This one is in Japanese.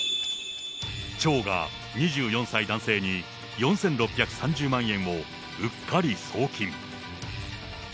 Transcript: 町が２４歳男性に４６３０万円をうっかり送金。